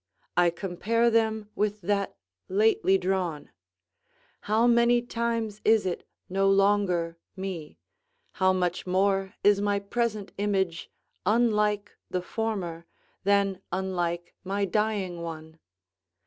I compare them with that lately drawn: how many times is it no longer me; how much more is my present image unlike the former, than unlike my dying one?